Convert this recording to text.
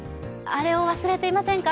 あれを忘れていませんか？